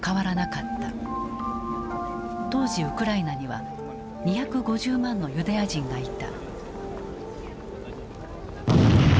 当時ウクライナには２５０万のユダヤ人がいた。